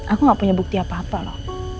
aku gak punya bukti apa apa loh